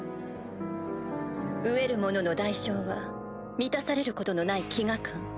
「飢餓者」の代償は満たされることのない飢餓感。